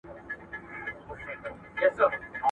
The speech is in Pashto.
زه لاس نه پرېولم!؟